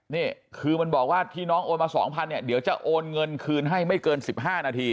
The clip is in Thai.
นี่คือมันบอกว่าที่น้องโอนมา๒๐๐เนี่ยเดี๋ยวจะโอนเงินคืนให้ไม่เกิน๑๕นาที